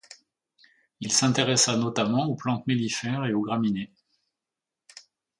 Il s'intéressa notamment aux plantes mellifères et aux graminées.